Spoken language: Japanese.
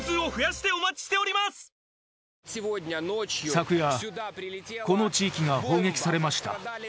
昨夜、この地域が砲撃されました